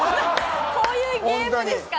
こういうゲームですから。